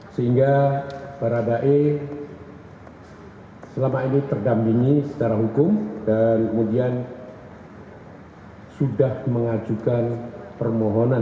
sehingga baradae selama ini terdampingi secara hukum dan kemudian sudah mengajukan permohonan